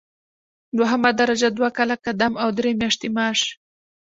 دوهمه درجه دوه کاله قدم او درې میاشتې معاش.